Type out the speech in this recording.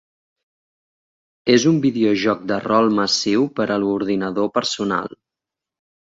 És un videojoc de rol massiu per a ordinador personal.